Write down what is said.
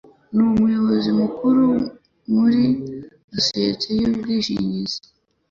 Ni umuyobozi mukuru muri sosiyete yubwishingizi.